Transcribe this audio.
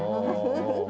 フフフフ。